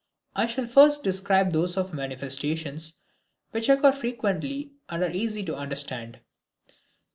I shall first describe those of its manifestations which occur frequently and are easy to understand.